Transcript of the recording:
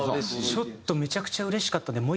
ちょっとめちゃくちゃうれしかったので。